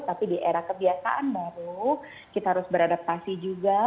tapi di era kebiasaan baru kita harus beradaptasi juga